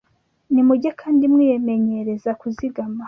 Nimujye kandi mwimenyereza kuzigama